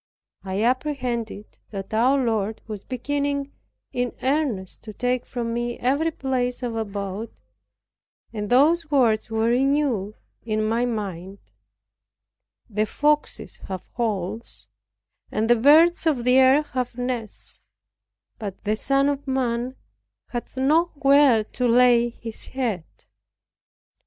I apprehended that our Lord was beginning in earnest to take from me every place of abode; and those words were renewed in my mind, "The foxes have holes, and the birds of the air have nests, but the Son of man hath not where to lay his head."